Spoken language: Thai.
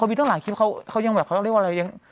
เขาบินต้นหลังคลิปเขายังแบบเขาเรียกว่าอะไร